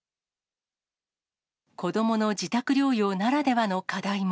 子どもの自宅療養ならではの課題も。